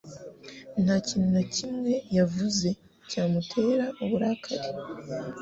Nta kintu na kimwe yavuze cyamutera uburakari.